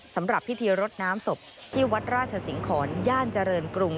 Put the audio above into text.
สำหรับพิธีรดน้ำศพที่วัดราชสิงหอนย่านเจริญกรุง